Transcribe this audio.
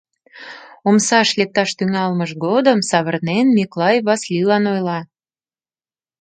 Омсаш лекташ тӱҥалмыж годым, савырнен, Миклай Васлилан ойла: